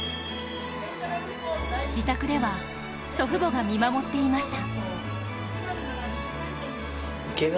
自宅では祖父母が見守っていました。